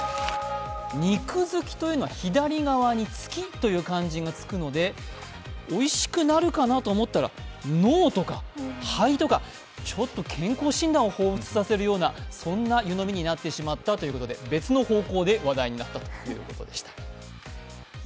にくづきというのは、左側に「月」という漢字がつくのでおいしくなるかなと思ったら、「脳」とか「肺」とかちょっと健康診断をほうふつさせるような湯飲みになってしまったということで、別の方向で話題になったということでした。